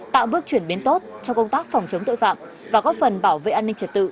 tạo bước chuyển biến tốt trong công tác phòng chống tội phạm và góp phần bảo vệ an ninh trật tự